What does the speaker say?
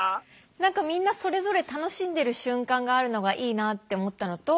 何かみんなそれぞれ楽しんでる瞬間があるのがいいなって思ったのと